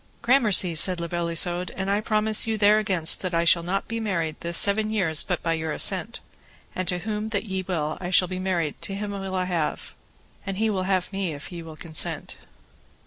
Gramercy, said La Beale Isoud, and I promise you there against that I shall not be married this seven years but by your assent; and to whom that ye will I shall be married to him will I have, and he will have me if ye will consent.